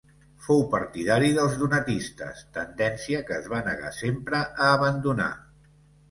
Fou partidari dels donatistes, tendència que es va negar sempre a abandonar.